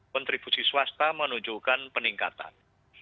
kontribusi swasta menunjukkan peningkatan